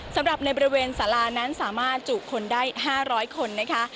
สำหรับในบริเวณสารานั้นสามารถจุคนได้๕๐๐คนนะคะ